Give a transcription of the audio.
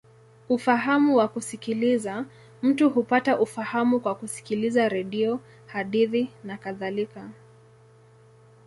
Ufahamu wa kusikiliza: mtu hupata ufahamu kwa kusikiliza redio, hadithi, nakadhalika.